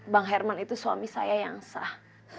bang herman itu suami saya yang sah